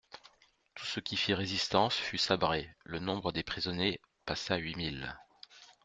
Tout ce qui fit résistance fut sabré ; le nombre des prisonniers passa huit mille.